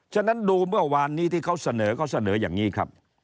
ฉะนั้นดูเมื่อวานนี้ที่เขาเสนอเขาเสนออย่างนี้ครับ